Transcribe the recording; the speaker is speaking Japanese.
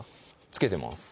つけてます